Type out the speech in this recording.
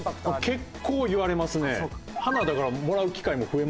結構言われますね。